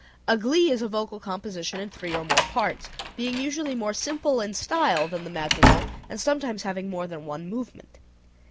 A glee is a vocal composition in three or more parts, being usually more simple in style than the madrigal, and sometimes having more than one movement.